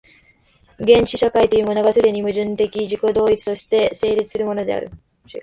原始社会というものが、既に矛盾的自己同一として成立するのである。